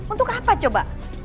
untuk apa coba